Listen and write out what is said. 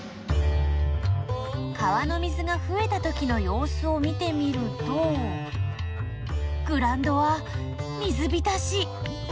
川の水がふえた時のよう子を見てみるとグラウンドは水びたし。